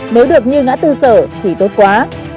nếu được như ngã tư sở thì tốt quá